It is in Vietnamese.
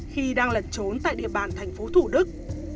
khi đang lẩn trốn tại địa bàn thành phố thủ đức